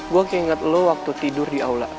gue kayak ngeliat lu waktu tidur di aula